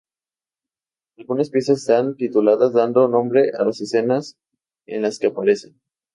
Algunas piezas están tituladas dando nombre a las escenas en las que aparecen.